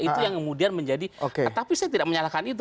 itu yang kemudian menjadi tapi saya tidak menyalahkan itu